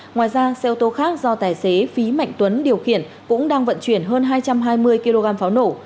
ngoài ra xe ô tô khác do tài xế phí mạnh tuấn điều khiển cũng đang vận chuyển hơn hai trăm hai mươi kg pháo nổ